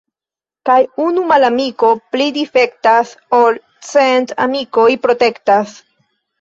Kaj unu malamiko pli difektas, ol cent amikoj protektas.